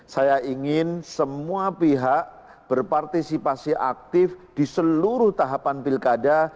saya ingin semua pihak berpartisipasi aktif di seluruh tahapan pilkada